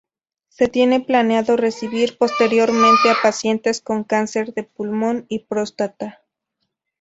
Se tiene planeado recibir posteriormente a pacientes con cáncer de pulmón y próstata.